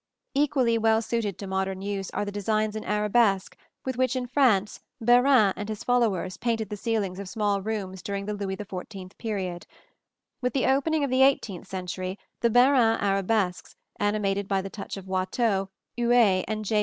Equally well suited to modern use are the designs in arabesque with which, in France, Bérain and his followers painted the ceilings of small rooms during the Louis XIV period (see Plate XXVI). With the opening of the eighteenth century the Bérain arabesques, animated by the touch of Watteau, Huet and J.